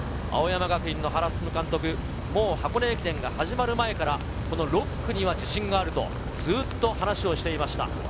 青山学院の原晋監督も箱根駅伝が始まる前からこの６区には自信があるとずっと話をしていました。